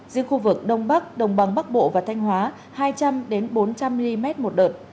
riêng khu vực đông bắc đồng bằng bắc bộ và thanh hóa hai trăm linh bốn trăm linh mm một đợt